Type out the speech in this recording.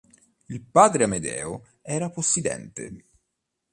Il padre Amedeo era possidente.